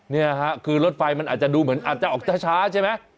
นี่ค่ะคือรถไฟมันอาจจะดูเหมือนอาจจะออกช้าใช่ไหม